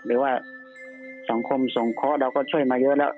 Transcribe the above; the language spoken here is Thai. หรือว่าสังคมสงเคราะห์เราก็ช่วยมาเยอะแล้ว